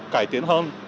cải tiến hơn